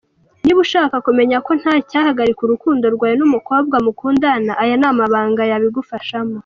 Niba ushaka kumenya ko ntacyahagarika urukundo rwawe n’umukobwa mukundana aya ni amabanga yabigufashamo.